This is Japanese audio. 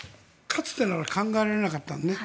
かつてなら考えられなかったよね。